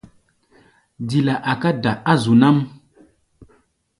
Dila a̧ká̧ da̧ á zu nám.